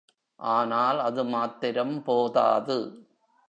ஆனால் அது மாத்திரம் போதாது.